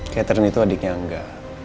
catherine itu adiknya angga